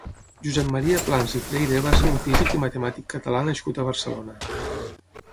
Josep Maria Plans i Freyre va ser un físic i matemàtic catalá nascut a Barcelona.